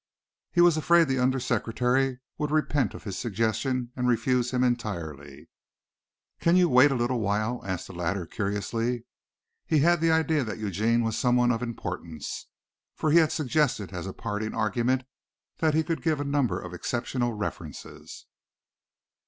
He was afraid the under secretary would repent of his suggestion and refuse him entirely. "Can you wait a little while?" asked the latter curiously. He had the idea that Eugene was someone of importance, for he had suggested as a parting argument that he could give a number of exceptional references.